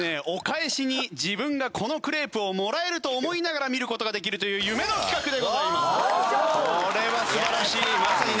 お返しに自分がこのクレープをもらえると思いながら見る事ができるという夢の企画でございます。